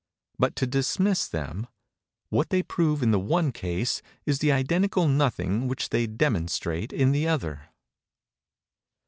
But—to dismiss them:—what they prove in the one case is the identical nothing which they demonstrate in the other.